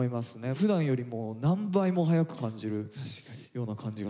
ふだんよりも何倍も早く感じるような感じがしますね。